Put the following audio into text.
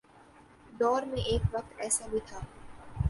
دور میں ایک وقت ایسا بھی تھا۔